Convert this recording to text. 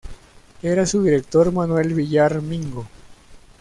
Era su director Manuel Villar Mingo.